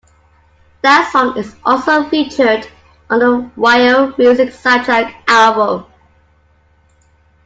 That song is also featured on the "Whale Music" soundtrack album.